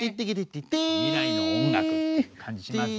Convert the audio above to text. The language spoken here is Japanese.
未来の音楽って感じしますよね。